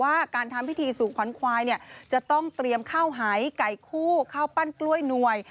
ว่าการทำพิธีสู่ขวัญควายเนี่ยจะต้องเตรียมข้าวหายไก่คู่ข้าวปั้นกล้วยหน่วย